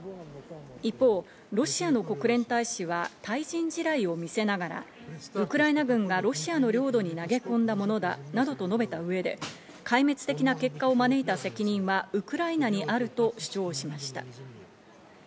一方、ロシアの国連大使は対人地雷を見せながらウクライナ軍がロシアの領土に投げ込んだものだ、などと述べた上で壊滅的な結果を招いた責任はウクライナにあると主張しました。